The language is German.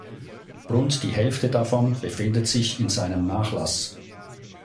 Rund die Hälfte davon befindet sich in seinem Nachlass.